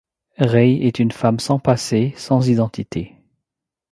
Rei est une femme sans passé, sans identité.